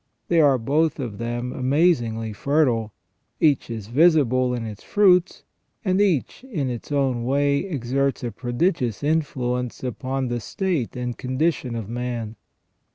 They are both of them amazingly fertile, each is visible in its fruits, and each in its own way exerts a prodigious influence upon the state and condition of man.